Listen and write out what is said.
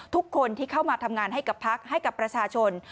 ทุกคนที่เข้ามาทำงานให้กับพักให้กับประชาชน